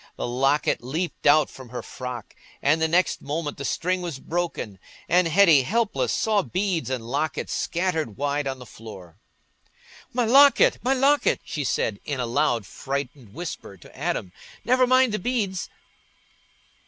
The locket leaped out from her frock, and the next moment the string was broken, and Hetty, helpless, saw beads and locket scattered wide on the floor. "My locket, my locket!" she said, in a loud frightened whisper to Adam; "never mind the beads."